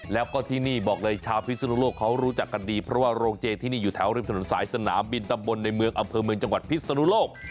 แล้วก็ที่นี่บอกเลยชาวพิศนุโลกเขารู้จักกันดีเพราะว่าโรงเจที่นี่อยู่แถวริมถนนสายสนามบินตำบลในเมืองอำเภอเมืองจังหวัดพิศนุโลก